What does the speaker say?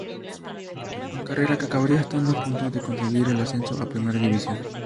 Carrera que acabaría estando a punto de conseguir el ascenso a Primera División.